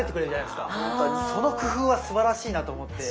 その工夫はすばらしいなと思って。